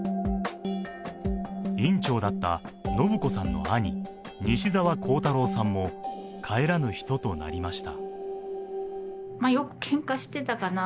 院長だった伸子さんの兄、西澤弘太郎さんも帰らぬ人となりました。